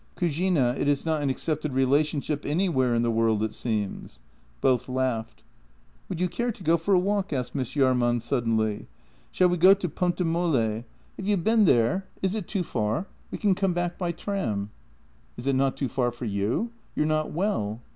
Cugina — it is not an accepted relationship anywhere in the world, it seems." Both laughed. "Would you care to go for a walk? " asked Miss Jahrman suddenly. " Shall we go to Ponte Molle? Have you been JENNY 61 there? Is it too far? We can come back by tram." " Is it not too far for you? You're not well."